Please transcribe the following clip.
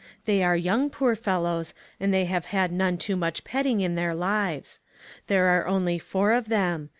They are young, poor fellows, and HEDGED IN. 299 they have had none too much petting in their lives. There are only four of them.